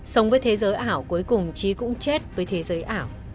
sống với thế giới ảo cuối cùng trí cũng chết với thế giới ảo